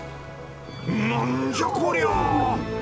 何じゃこりゃあ